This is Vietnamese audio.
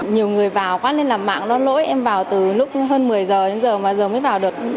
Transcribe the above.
nhiều người vào quá nên là mạng nó lỗi em vào từ lúc hơn một mươi giờ đến giờ mà giờ mới vào được